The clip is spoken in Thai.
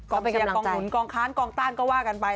ไปเคลียร์กองหนุนกองค้านกองต้านก็ว่ากันไป